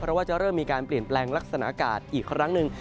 เพราะว่าจะเริ่มมีการเปลี่ยนแปลงลักษณะอากาศอีกครั้งหนึ่ง